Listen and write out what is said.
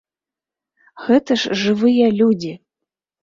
Гэта ж жывыя людзі!